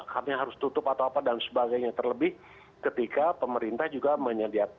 kami harus tutup atau apa dan sebagainya terlebih ketika pemerintah juga menyediakan